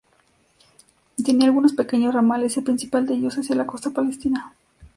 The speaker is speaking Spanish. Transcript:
Tenía algunos pequeños ramales, el principal de ellos hacia la costa palestina.